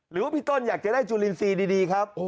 หรือว่าพี่ต้นอยากจะได้จูลินซีดีครับ